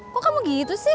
kok kamu gitu sih